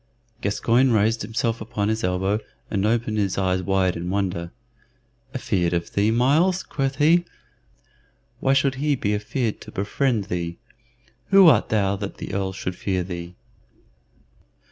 Gascoyne raised himself upon his elbow, and opened his eyes wide in wonder. "Afeard of thee, Myles!" quoth he. "Why should he be afeared to befriend thee? Who art thou that the Earl should fear thee?"